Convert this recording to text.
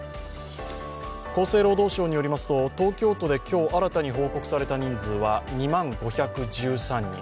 厚生労働省によりますと東京都で今日新たに報告された人数は２万５１３人。